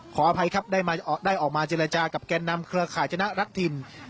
ขออภัยครับได้ออกมาเจรจากับแกนนำเครือข่ายชนะรักถิ่น